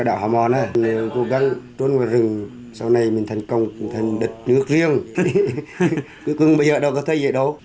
đảm bảo trực tự an toàn xã hội